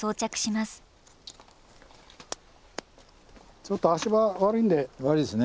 ちょっと足場悪いんで。悪いですね。